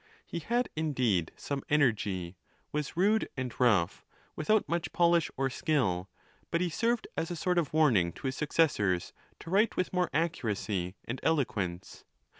He had, indeed, some energy, was rude and rough, without much polish or skill, but he served as a sort of warning to his suc cessors, to write with more accuracy and eloquence.